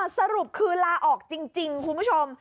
สรุปคือลาออกจริงคุณผู้ชม